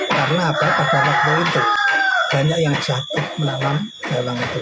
karena pada waktu itu banyak yang jatuh dalam itu